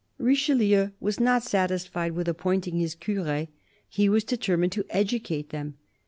Richelieu was not satisfied with appointing his cures ; he was determined to educate them.